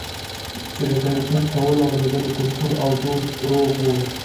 چې د تنقيد کولو او اورېدلو کلتور او دود روغ وي